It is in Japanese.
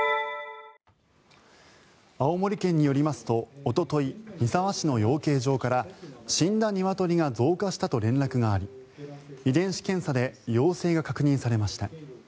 青森県によりますとおととい、三沢市の養鶏場から死んだニワトリが増加したと連絡があり遺伝子検査で陽性が確認されました。